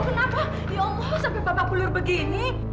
bapak kenapa ya allah sampai bapak pulur begini